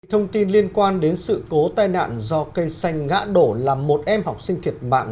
thông tin liên quan đến sự cố tai nạn do cây xanh ngã đổ làm một em học sinh thiệt mạng